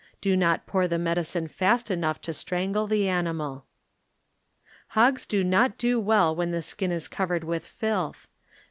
Do not pour the medicine fast enough to strangle the animal. Hogs will not do well when the skin is covered with filth.